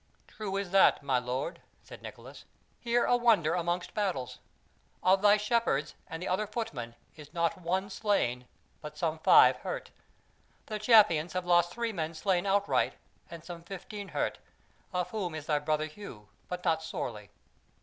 "True is that, little lord," said Nicholas. "Hear a wonder amongst battles: of thy Shepherds and the other footmen is not one slain, and but some five hurt. The Champions have lost three men slain outright, and some fifteen hurt; of whom is thy brother Hugh, but not sorely."